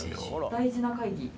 大事な会議？